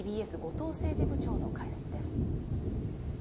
ＴＢＳ後藤政治部長の解説です。